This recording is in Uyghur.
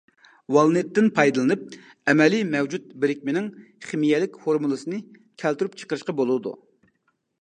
ۋالېنتتىن پايدىلىنىپ ئەمەلىي مەۋجۇت بىرىكمىنىڭ خىمىيەلىك فورمۇلىسىنى كەلتۈرۈپ چىقىرىشقا بولىدۇ.